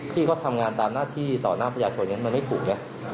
ที่เขาทำงานตามหน้าที่ต่อถ้าอย่างชนอย่างนั้นมันไม่ถูกเนี่ย